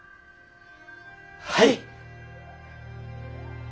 はい！